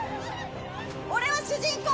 俺は主人公。